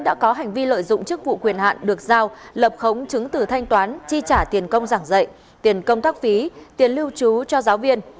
đã có hành vi lợi dụng chức vụ quyền hạn được giao lập khống chứng từ thanh toán chi trả tiền công giảng dạy tiền công tác phí tiền lưu trú cho giáo viên